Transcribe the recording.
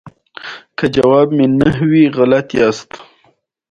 هغه چیرې ده؟